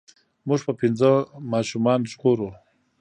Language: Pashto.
مونږ به پنځه ماشومان ژغورو.